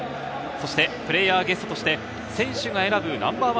そして、プレーヤーゲストとして選手が選ぶＮｏ．１